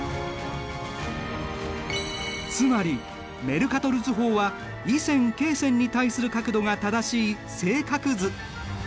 つまりメルカトル図法は緯線・経線に対する角度が正しい正角図。